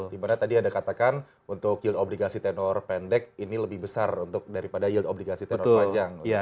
dimana tadi anda katakan untuk yield obligasi tenor pendek ini lebih besar untuk daripada yield obligasi tenor panjang